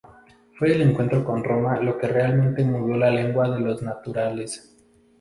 Fue el encuentro con Roma lo que realmente mudó la lengua de los naturales.